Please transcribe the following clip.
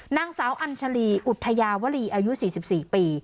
นางสาวอัญชาลีอุทยาวรีอายุ๔๔ปี